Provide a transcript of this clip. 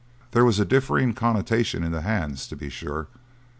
There was a differing connotation in the hands, to be sure.